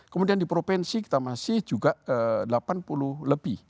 kemudian di provinsi kita masih juga delapan puluh lebih